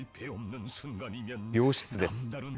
病室です。